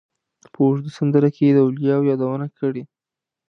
په اوږده سندره کې یې د اولیاوو یادونه کړې.